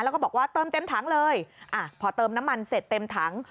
แล้วก็บอกว่าเติมเต็มถังเลยอ่ะพอเติมน้ำมันเสร็จเต็มถัง